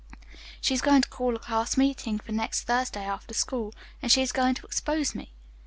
"She is going to call a class meeting for next Thursday after school, and she is going to expose me.